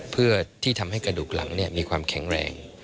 เพื่อที่ทำให้กระดูกหลังมีความแข็งแรง